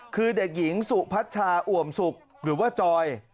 คือเด็กหญิงสุพัชชาอ่วมสุกหรือว่าจอย